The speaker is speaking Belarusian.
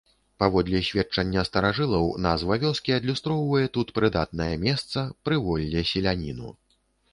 Паводле сведчання старажылаў, назва вёскі адлюстроўвае тут прыдатнае месца, прыволле селяніну.